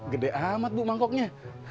gede amat bu mangkoknya